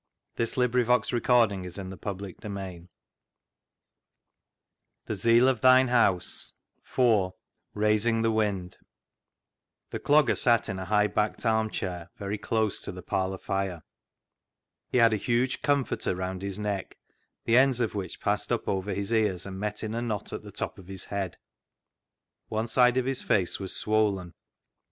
" The Zeal of Thine House IV Raising the Wind 327 " The Zeal of Thine House " IV Raising the Wind The Clogger sat in a high backed arm chair, very close to the parlour fire. He had a huge " comforter " round his neck, the ends of which passed up over his ears and met in a knot at the top of his head. One side of his face was swollen.